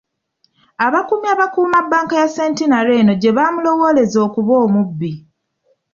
Abakuumi abakuuuma bbanka ya Centenary eno gyebaamulowooleza okuba omubbi.